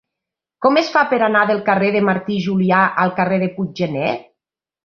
Com es fa per anar del carrer de Martí i Julià al carrer de Puiggener?